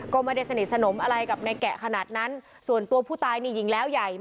ก็ไม่ได้สนิทสนมอะไรกับในแกะขนาดนั้นส่วนตัวผู้ตายนี่หญิงแล้วใหญ่